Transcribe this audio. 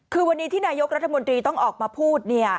คือวันนี้ที่นายกรัฐมนตรีต้องออกมาพูด